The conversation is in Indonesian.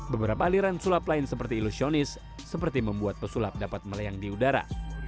beberapa aliran sulap lain seperti ilusionis seperti membuat pesulap dapat melayang di udara